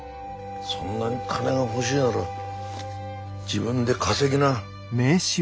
そんなに金が欲しいなら自分で稼ぎな。